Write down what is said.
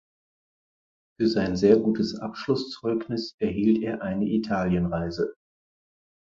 Für sein sehr gutes Abschlusszeugnis erhielt er eine Italienreise.